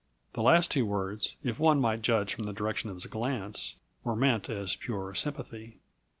The last two words, if one might judge from the direction of his glance, were meant as pure sympathy.